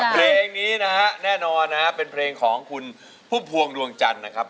เพลงนี้นะฮะแน่นอนนะครับเป็นเพลงของคุณพุ่มพวงดวงจันทร์นะครับ